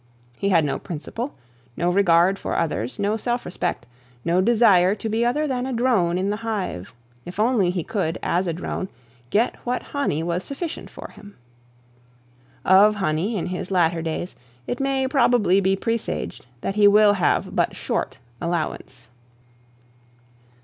He had no principle, no regard for others, no self respect, no desire to be other than a drone in a hive, if only he could, as a drone, get what honey was sufficient for him. Of honey, in his latter days, it may probably be presaged, that he will have but short allowance.